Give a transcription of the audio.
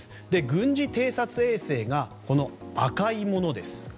軍事偵察衛星が赤いものです。